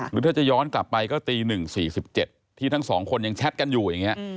หรือถ้าจะย้อนกลับไปก็ตี๑๔๗ที่ทั้งสองคนยังแชทกันอยู่อย่างนี้